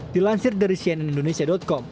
dilansir dari cnn indonesia com